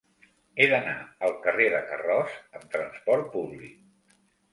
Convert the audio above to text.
He d'anar al carrer de Carroç amb trasport públic.